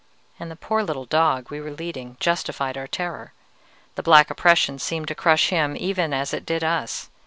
And the poor little dog we were leading justified our terror. The black oppression seemed to crush him even as it did us.